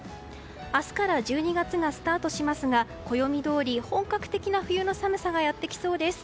明日から１２月がスタートしますが暦どおり本格的な冬の寒さがやってきそうです。